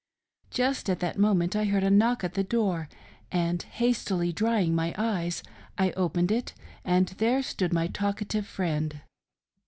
Just at that moment I heard a knock at the door, and hastily drying my eyes, I opened it, and there stood my talk ative friend.